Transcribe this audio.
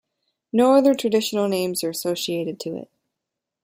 No other traditional names are associated to it.